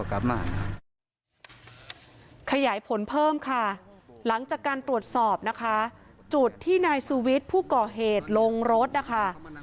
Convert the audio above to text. ขยายผลเพิ่มค่ะหลังจากการตรวจสอบนะคะจุดที่นายสุวิทย์ผู้ก่อเหตุลงรถนะคะ